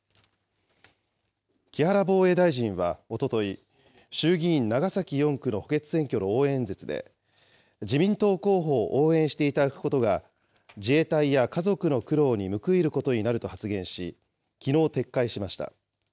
木原防衛大臣はおととい、衆議院長崎４区の補欠選挙の応援演説で、自民党候補を応援していただくことが、自衛隊や家族の苦労に報いることになると発言し、きのう撤回しました。